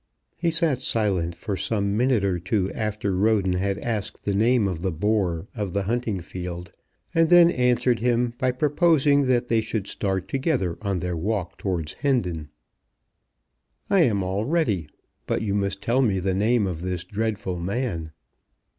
He sat silent for some minute or two after Roden had asked the name of the bore of the hunting field, and then answered him by proposing that they should start together on their walk towards Hendon. "I am all ready; but you must tell me the name of this dreadful man."